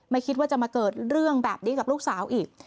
ไม่คิดว่าจะมาเกิดเรื่องแบบนี้กับลูกสาวอีก